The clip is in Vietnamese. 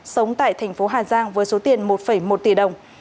sống tại thành phố hà giang với số tiền một một tỷ đồng